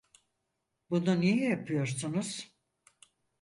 Bunu niye yapıyorsunuz?